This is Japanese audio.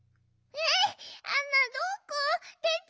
えっ？